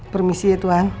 permisi ya tuan